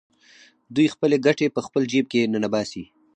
دوی خپلې ګټې په خپل جېب کې ننباسي